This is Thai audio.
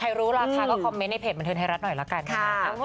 รู้ราคาก็คอมเมนต์ในเพจบันเทิงไทยรัฐหน่อยละกันค่ะ